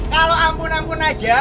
kalau ampun ampun aja